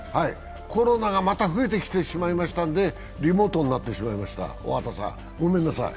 コロナがまた増えてきてしまいましたのでリモートになってしまいました。